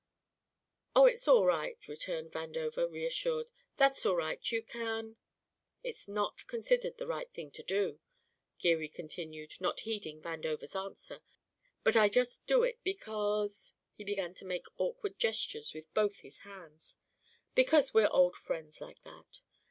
"Oh, that's all right," returned Vandover, reassured. "That's all right, you can " "It's not considered the right thing to do," Geary continued, not heeding Vandover's answer, "but I just do it because" he began to make awkward gestures with both his hands "because we're old friends, like that.